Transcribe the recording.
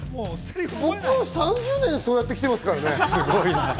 僕は３０年そうやってきてますからね。